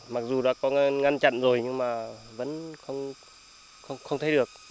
mặc dù đã có ngăn chặn rồi nhưng mà vẫn không thấy được